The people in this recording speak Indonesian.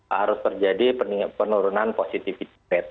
harus terjadi penurunan positifitas